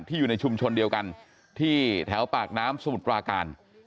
อยู่ในชุมชนเดียวกันที่แถวปากน้ำสมุทรปราการ